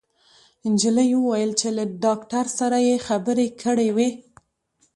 انجلۍ وويل چې له داکتر سره يې خبرې کړې وې